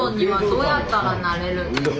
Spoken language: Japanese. どうやったらなれる？